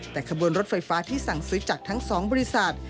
แต่ขบวนรถไฟฟ้าที่สั่งซื้อจากทั้ง๒บริษัท